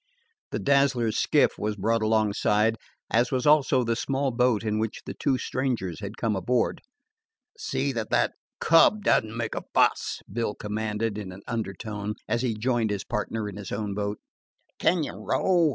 The Dazzler's skiff was brought alongside, as was also the small boat in which the two strangers had come aboard. "See that that cub don't make a fuss," Bill commanded in an undertone, as he joined his partner in his own boat. "Can you row?"